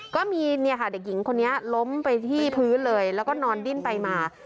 ก็มีเนี่ยค่ะเด็กหญิงคนนี้ล้มไปที่พื้นเลยแล้วก็นอนดิ้นไปมา